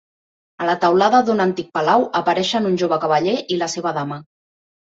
A la teulada d'un antic palau apareixen un jove cavaller i la seva dama.